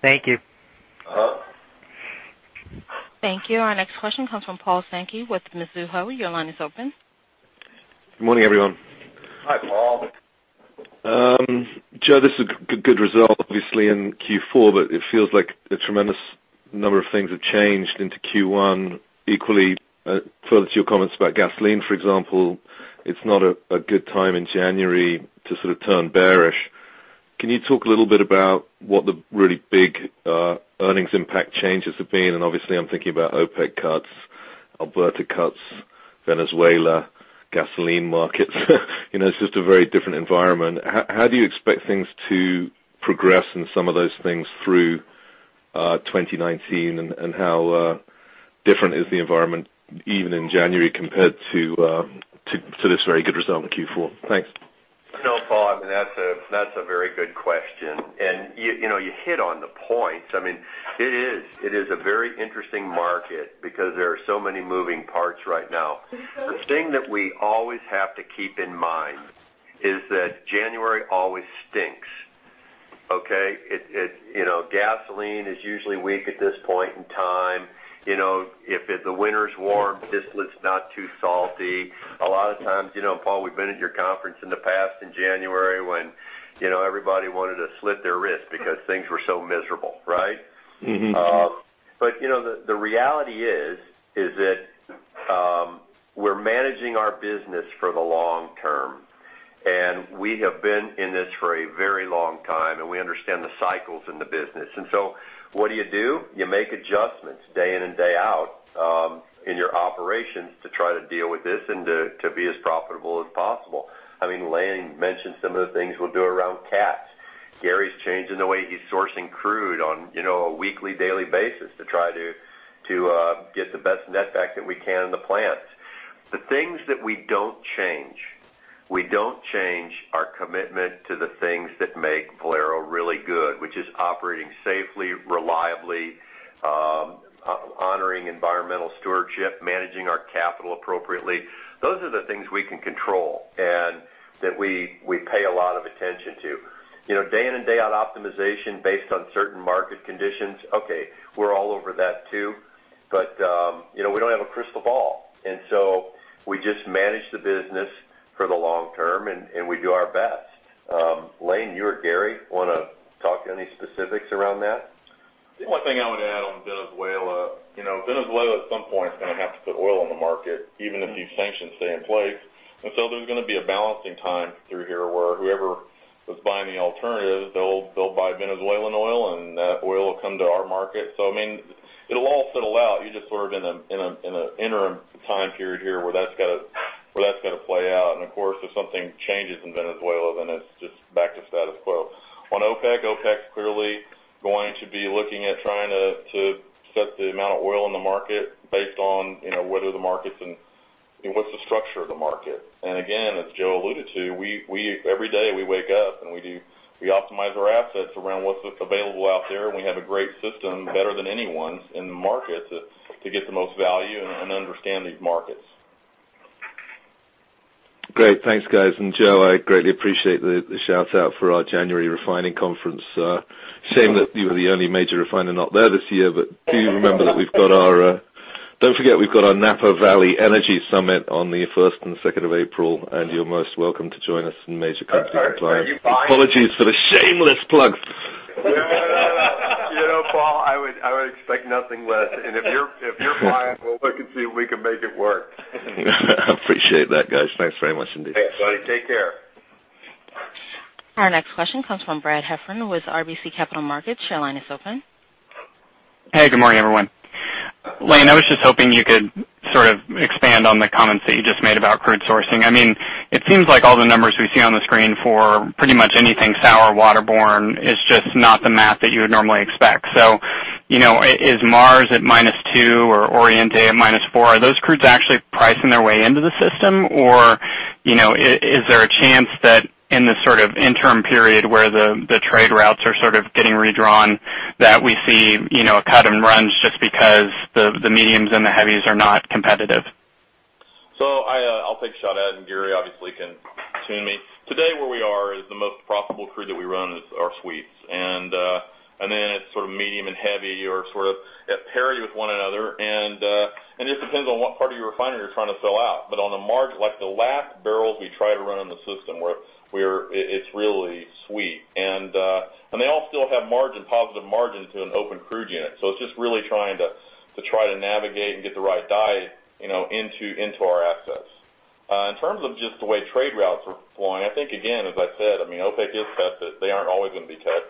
Thank you. Thank you. Our next question comes from Paul Sankey with Mizuho. Your line is open. Good morning, everyone. Hi, Paul. Joe, this is a good result, obviously, in Q4. It feels like a tremendous number of things have changed into Q1. Equally, further to your comments about gasoline, for example, it's not a good time in January to sort of turn bearish. Can you talk a little bit about what the really big earnings impact changes have been? Obviously, I'm thinking about OPEC cuts, Alberta cuts, Venezuela, and gasoline markets. It's just a very different environment. How do you expect things to progress in some of those things through 2019, and how different is the environment even in January compared to this very good result in Q4? Thanks. You know, Paul, that's a very good question. You hit on the points. It is a very interesting market because there are so many moving parts right now. The thing that we always have to keep in mind is that January always stinks. Okay? Gasoline is usually weak at this point in time. If the winter's warm, distillate's not too salty. A lot of times, Paul, we've been at your conference in the past in January when everybody wanted to slit their wrist because things were so miserable, right? The reality is that we're managing our business for the long term; we have been in this for a very long time, and we understand the cycles in the business. What do you do? You make adjustments day in and day out in your operations to try to deal with this and to be as profitable as possible. Lane mentioned some of the things we'll do around cats. Gary's changing the way he's sourcing crude on a weekly, daily basis to try to get the best netback that we can in the plants. The things that we don't change, we don't change our commitment to the things that make Valero really good, which are operating safely, reliably, honoring environmental stewardship, and managing our capital appropriately. Those are the things we can control and that we pay a lot of attention to. Day in and day out optimization based on certain market conditions, okay, we're all over that, too, but we don't have a crystal ball. We just manage the business for the long term, and we do our best. Lane, do you or Gary want to talk about any specifics around that? The only thing I would add on Venezuela is Venezuela at some point is going to have to put oil on the market, even if these sanctions stay in place. There's going to be a balancing time through here where whoever was buying the alternatives will buy Venezuelan oil, and that oil will come to our market. It'll all settle out. You're just sort of in an interim time period here where that's got to play out. If something changes in Venezuela, then it's just back to the status quo. OPEC's clearly going to be looking at trying to set the amount of oil in the market based on what the markets are and what's the structure of the market is. As Joe alluded to, every day we wake up and we optimize our assets around what's available out there, and we have a great system, better than anyone's in the market, to get the most value and understand these markets. Great. Thanks, guys. Joe, I greatly appreciate the shout-out for our January refining conference. Shame that you were the only major refiner not there this year, but don't forget, we've got our Napa Valley Energy Summit on the 1st and 2nd of April, and you're most welcome to join us, major company clients. You know, Paul, I would expect nothing less. If you're buying, we'll look and see if we can make it work. Appreciate that, guys. Thanks very much indeed. Hey, buddy, take care. Our next question comes from Brad Heffern with RBC Capital Markets. Your line is open. Hey, good morning, everyone. Lane, I was just hoping you could expand on the comments that you just made about crude sourcing. It seems like all the numbers we see on the screen for pretty much anything sour and waterborne are just not the math that you would normally expect. Is Mars at -2 or Oriente at -4? Are those crudes actually pricing their way into the system, or is there a chance that in this interim period where the trade routes are getting redrawn that we see cut-and-runs just because the mediums and the heavies are not competitive? I'll take a shot at it, and Gary obviously can tune me. Today, where we are is the most profitable crude that we run is our suites. Then it's medium and heavy or at parity with one another. It just depends on what part of your refinery you're trying to fill out. On the margin, the last barrels we try to run in the system are where it's really sweet. They all still have margin, a positive margin to an open crude unit. It's just really trying to navigate and get the right diet into our assets. In terms of just the way trade routes are flowing, I think, again, as I said, OPEC is best, but they aren't always going to be tight.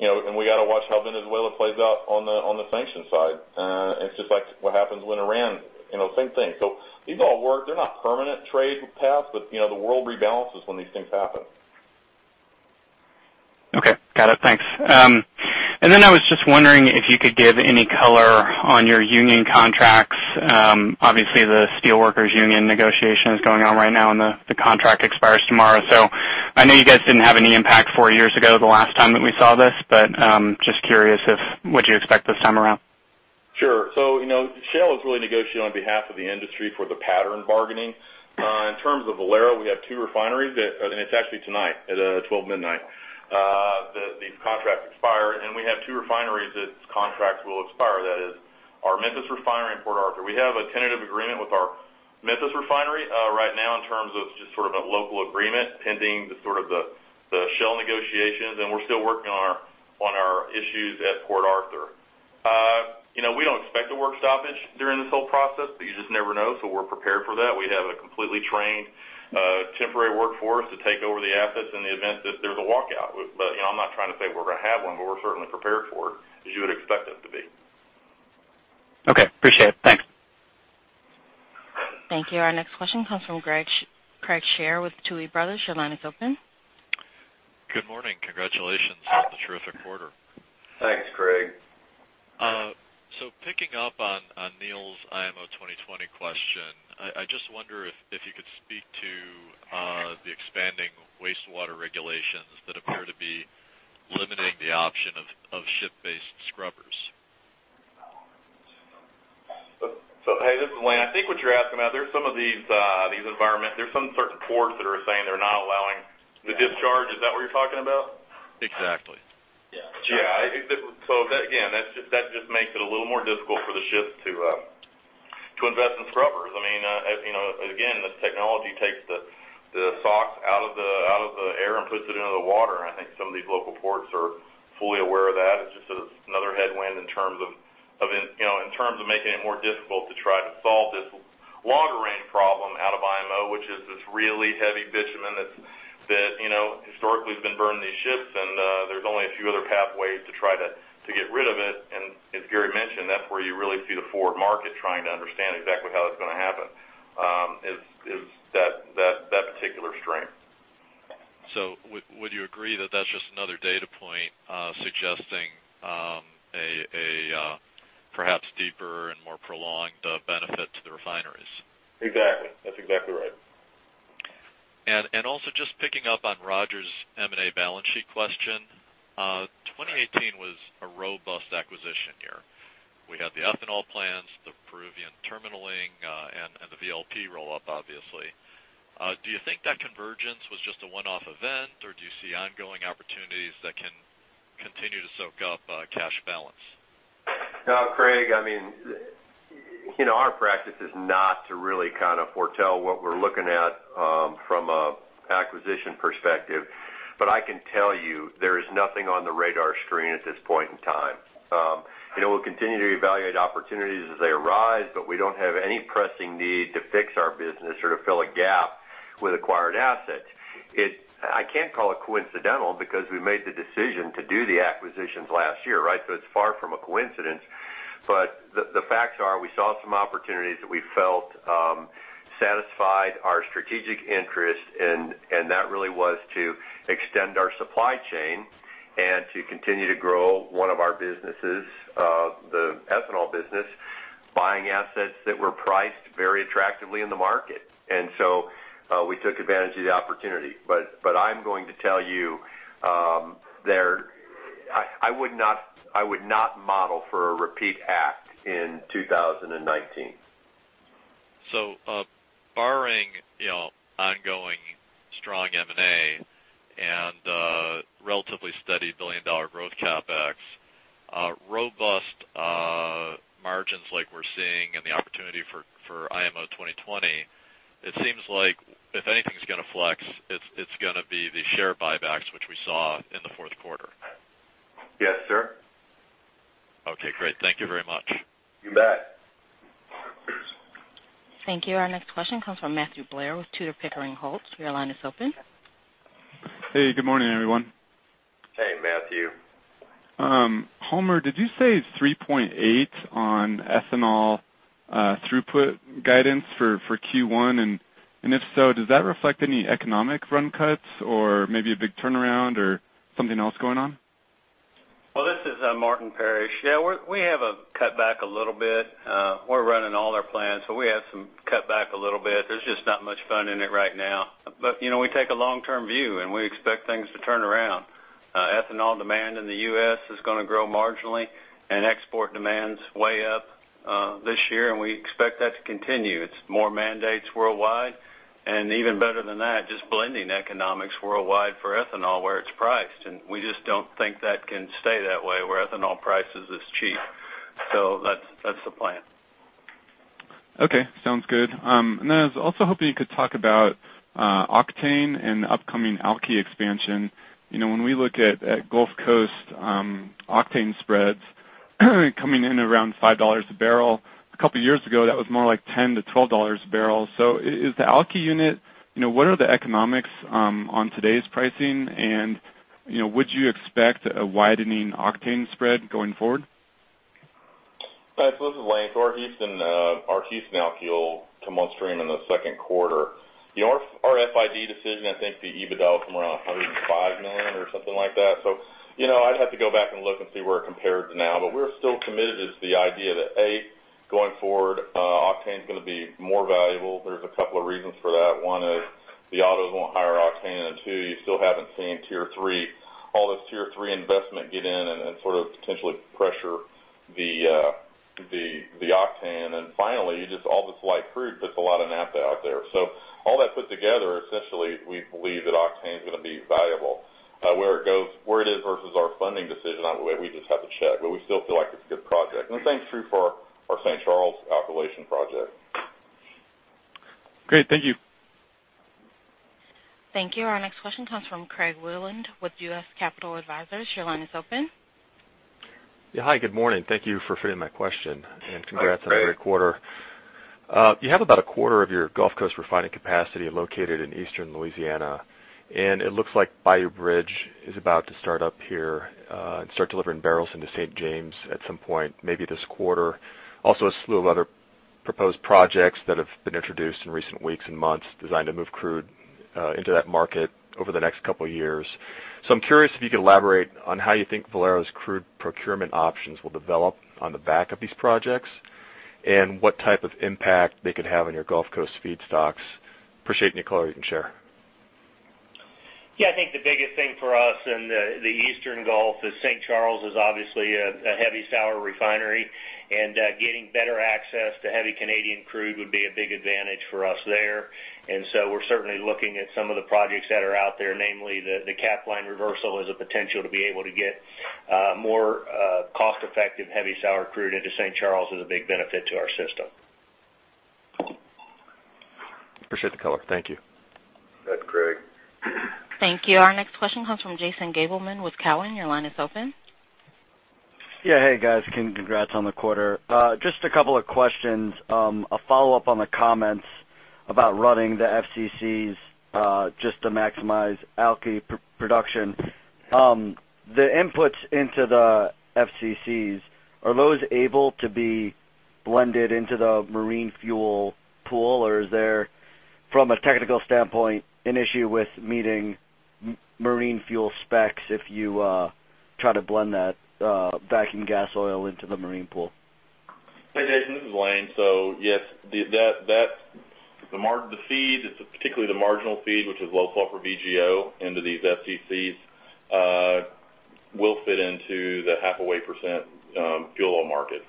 We got to watch how Venezuela plays out on the sanction side. It's just like what happens with Iran, the same thing. These all work. They're not permanent trade paths, but the world rebalances when these things happen. Okay. Got it. Thanks. I was just wondering if you could shed any light on your union contracts. Obviously, the Steelworkers' union negotiation is going on right now, and the contract expires tomorrow. I know you guys didn't have any impact four years ago, the last time that we saw this, but I'm just curious about what you expect this time around. Sure. Shell is really negotiating on behalf of the industry for the pattern bargaining. In terms of Valero, we have two refineries. It's actually tonight at 12:00 A.M. These contracts expire, and we have two refineries that contracts will expire. That is our Memphis refinery in Port Arthur. We have a tentative agreement with our Memphis refinery right now in terms of just a local agreement pending the Shell negotiations, and we're still working on our issues at Port Arthur. We don't expect a work stoppage during this whole process, but you just never know. We're prepared for that. We have a completely trained temporary workforce to take over the assets in the event that there's a walkout. I'm not trying to say we're going to have one, but we're certainly prepared for it as you would expect us to be. Okay. Appreciate it. Thanks. Thank you. Our next question comes from Craig Shere with Tuohy Brothers Investment Research. Your line is open. Good morning. Congratulations on the terrific quarter. Thanks, Craig. Picking up on Neil's IMO 2020 question, I just wonder if you could speak to the expanding wastewater regulations that appear to be limiting the option of ship-based scrubbers. Hey, this is Lane. I think what you're asking about is that there are some certain ports that are saying they're not allowing the discharge. Is that what you're talking about? Exactly. Yeah. Again, that just makes it a little more difficult for the ships to invest in scrubbers. Again, this technology takes the SOx out of the air and puts it into the water, and I think some of these local ports are fully aware of that. It's just another headwind in terms of making it more difficult to try to solve this longer-range problem, IMO, which is this really heavy bitumen that historically has been burned in these ships, and there are only a few other pathways to try to get rid of it. As Gary mentioned, that's where you really see the forward market trying to understand exactly how that's going to happen in that particular stream. Would you agree that that's just another data point suggesting perhaps deeper and more prolonged benefit to the refineries? Exactly. That's exactly right. Also just picking up on Roger Read's M&A balance sheet question. 2018 was a robust acquisition year. We had the ethanol plants, the Peruvian terminaling, and the VLP roll-up, obviously. Do you think that convergence was just a one-off event, or do you see ongoing opportunities that can continue to soak up cash balance? Craig, our practice is not to really foretell what we're looking at from an acquisition perspective, but I can tell you there is nothing on the radar screen at this point in time. We'll continue to evaluate opportunities as they arise, but we don't have any pressing need to fix our business or to fill a gap with acquired assets. I can't call it coincidental because we made the decision to do the acquisitions last year. It's far from a coincidence. The facts are we saw some opportunities that we felt satisfied our strategic interest, and that really was to extend our supply chain and to continue to grow one of our businesses, the ethanol business, by buying assets that were priced very attractively in the market. We took advantage of the opportunity. I'm going to tell you there, I would not model for a repeat act in 2019. Barring ongoing strong M&A and a relatively steady billion-dollar growth CapEx, robust margins like we're seeing and the opportunity for IMO 2020, it seems like if anything's going to flex, it's going to be the share buybacks, which we saw in the fourth quarter. Yes, sir. Okay, great. Thank you very much. You bet. Thank you. Our next question comes from Matthew Blair with Tudor, Pickering Holt. Your line is open. Hey, good morning, everyone. Hey, Matthew. Homer, did you say 3.8 on ethanol throughput guidance for Q1? If so, does that reflect any economic run cuts or maybe a big turnaround or something else going on? Well, this is Martin Parrish. Yeah, we have cut back a little bit. We're running all our plans, so we have cut back a little bit. There's just not much fun in it right now. We take a long-term view, and we expect things to turn around. Ethanol demand in the U.S. is going to grow marginally, and export demand's way up this year, and we expect that to continue. There are more mandates worldwide, and even better than that, just blending economics worldwide for ethanol where it's priced. We just don't think that can stay that way, where ethanol prices are cheap. That's the plan. Okay. Sounds good. I was also hoping you could talk about octane and upcoming alky expansion. When we look at Gulf Coast octane spreads coming in around $5 a barrel, a couple of years ago, those were more like $10-$12 a barrel. What are the economics of today's pricing? Would you expect a widening octane spread going forward? Hi. This is Lane. Our Houston alky will come on stream in the second quarter. Our FID decision: I think the EBITDA was somewhere around $105 million or something like that. I'd have to go back and look and see where it compared to now, but we're still committed to the idea that, A, going forward, octane's going to be more valuable. There are a couple of reasons for that. One is the autos want higher octane; two, you still haven't seen Tier 3. All this Tier 3 investment gets in and then sort of potentially pressures the octane. Finally, just all this light crude puts a lot of naphtha out there. All that put together, essentially, we believe that octane's going to be valuable. Where it is versus our funding decision on it, we just have to check, but we still feel like it's a good project. The same is true for our St. Charles alkylation project. Great. Thank you. Thank you. Our next question comes from Craig Weiland with US Capital Advisors. Your line is open. Yeah. Hi, good morning. Thank you for fitting my question. Hi, Craig. Congrats on a great quarter. You have about a quarter of your Gulf Coast refining capacity located in Eastern Louisiana, and it looks like Bayou Bridge is about to start up here and start delivering barrels into St. James at some point, maybe this quarter. Also, a slew of other proposed projects that have been introduced in recent weeks and months are designed to move crude into that market over the next couple of years. I'm curious if you could elaborate on how you think Valero's crude procurement options will develop on the back of these projects and what type of impact they could have on your Gulf Coast feedstocks. Appreciate any color you can share. Yeah, I think the biggest thing for us in the Eastern Gulf is St. Charles is obviously a heavy-sour refinery, and getting better access to heavy Canadian crude would be a big advantage for us there. We're certainly looking at some of the projects that are out there, namely, the Capline reversal has the potential to be able to get more cost-effective heavy sour crude into St. Charles, which is a big benefit to our system. Appreciate the color. Thank you. Thanks, Craig. Thank you. Our next question comes from Jason Gabelman with Cowen. Your line is open. Yeah. Hey, guys. Congrats on the quarter. Just a couple of questions. A follow-up on the comments about running the FCCs just to maximize alky production. The inputs into the FCCs are those able to be blended into the marine fuel pool, or is there, from a technical standpoint, an issue with meeting marine fuel specs if you try to blend that vacuum gas oil into the marine pool? Hey, Jason. This is Lane. Yes, the feed, particularly the marginal feed, which is low-sulfur VGO into these FCCs, will fit into the half a percent fuel oil market.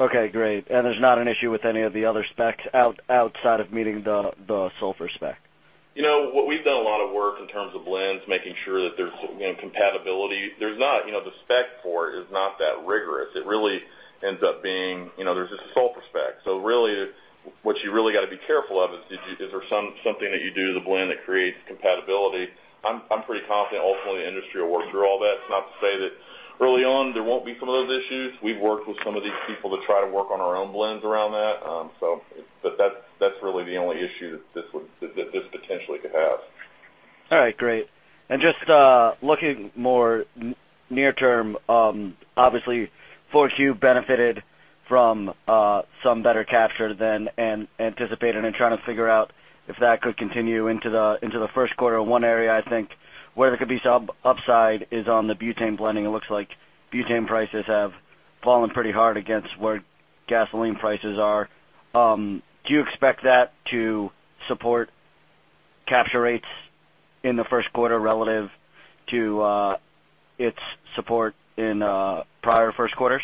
Okay, great. There's not an issue with any of the other specs outside of meeting the sulfur spec? We've done a lot of work in terms of blends, making sure that there's compatibility. The spec for it is not that rigorous. It really ends up being that there's this sulfur spec. Really, what you really got to be careful of is there something that you do to the blend that creates compatibility? I'm pretty confident, ultimately, the industry will work through all that. It's not to say that early on there won't be some of those issues. We've worked with some of these people to try to work on our own blends around that. That's really the only issue that this potentially could have. Just looking more near-term, obviously, 4Q benefited from some better capture than anticipated, and I am trying to figure out if that could continue into the first quarter. One area I think where there could be some upside is on the butane blending. It looks like butane prices have fallen pretty hard against where gasoline prices are. Do you expect that to support capture rates in the first quarter relative to its support in prior first quarters?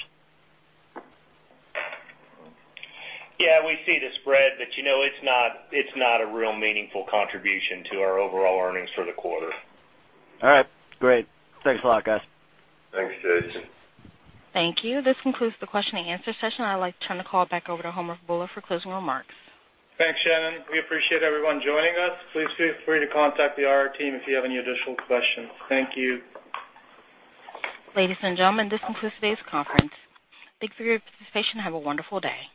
We see the spread, but it's not a real meaningful contribution to our overall earnings for the quarter. All right, great. Thanks a lot, guys. Thanks, Jason. Thank you. This concludes the question and answer session. I'd like to turn the call back over to Homer Bhullar for closing remarks. Thanks, Shannon. We appreciate everyone joining us. Please feel free to contact the IR team if you have any additional questions. Thank you. Ladies and gentlemen, this concludes today's conference. Thanks for your participation. Have a wonderful day.